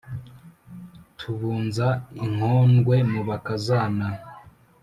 tubunza inkondwe mu bakazana